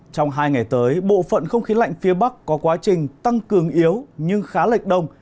trong hai ngày tới bộ phận không khí lạnh phía bắc có quá trình tăng cường yếu nhưng khá lệch đông